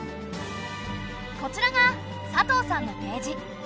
こちらが佐藤さんのページ。